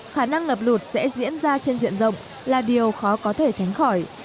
khả năng ngập lụt sẽ diễn ra trên diện rộng là điều khó có thể tránh khỏi